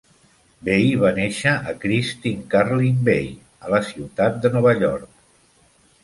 Bay va néixer a Kristine Carlin Bay, a la ciutat de Nova York.